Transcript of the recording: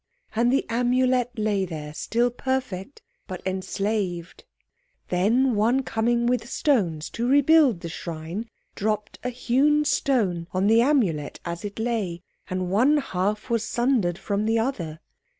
And the Amulet lay there, still perfect, but enslaved. Then one coming with stones to rebuild the shrine, dropped a hewn stone on the Amulet as it lay, and one half was sundered from the other.